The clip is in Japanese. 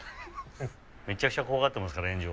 ・めちゃくちゃ怖がっていますから炎上。